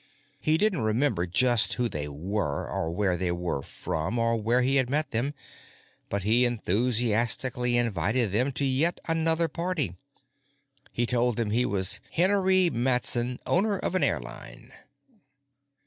He didn't remember just who they were or where they were from or where he had met them, but he enthusiastically invited them to yet another party. He told them he was Hennery Matson, owner of an airline.